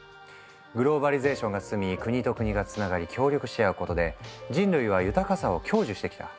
グローバリゼーションが進み国と国がつながり協力し合うことで人類は豊かさを享受してきた。